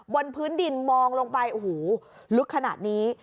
บนพื้นดินมองลงไปโอ้โหลึกขนาดนี้